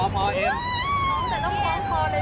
ไม่ได้ไม่ได้